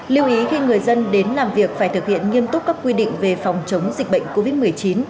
lưu ý khi người dân đến làm việc phải thực hiện nghiêm túc các quy định về phòng chống dịch bệnh covid một mươi chín